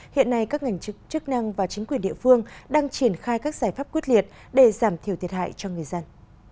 hiện nay các ngành chức năng và chính quyền địa phương đang triển khai các giải pháp quyết liệt để giảm thiểu thiệt hại cho người dân